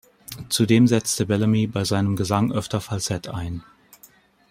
Zudem setzte Bellamy bei seinem Gesang öfter Falsett ein.